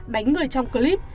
đánh người trong clip